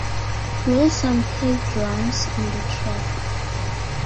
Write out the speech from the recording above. Wilson played drums on the track.